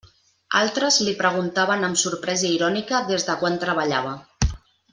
Altres li preguntaven amb sorpresa irònica des de quan treballava.